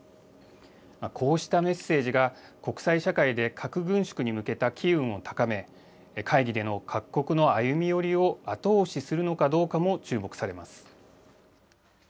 こうしたメッセージが国際社会で核軍縮に向けた機運を高め、会議での各国の歩み寄りを後押しするのかどうかも注目されます。